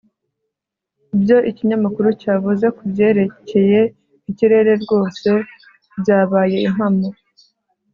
ibyo ikinyamakuru cyavuze kubyerekeye ikirere rwose byabaye impamo